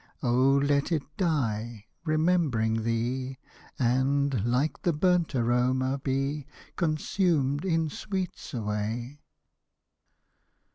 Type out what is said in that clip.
Oh let it die, remembering thee, And, like the burnt aroma, be Consumed in sweets away.